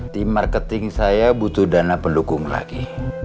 di marketing saya butuh dana pendukung lagi